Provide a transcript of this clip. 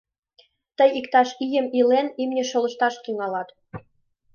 Тый, иктаж ийым илен, имне шолышташ тӱҥалат.